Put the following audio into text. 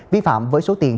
vi phạm với số tiền